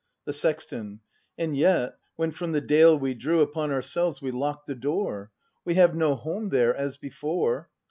The Sexton. And yet, when from the dale we drew. Upon ourselves we locked the door; We have no home there, as before.